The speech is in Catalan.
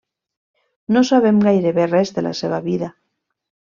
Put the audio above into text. No sabem gairebé res de la seva vida.